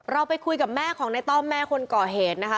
เราไปคุยกับแม่ของในต้อมแม่คนก่อเหตุนะคะ